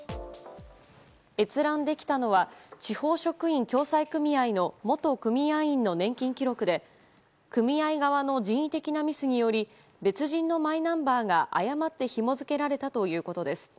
閲覧できたのは地方職員共済組合の元組合員の年金記録で組合側の人為的なミスにより別人のマイナンバーが誤ってひも付けられたということです。